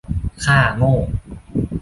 ค่าโง่